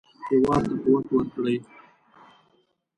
هېواد ته قوت ورکړئ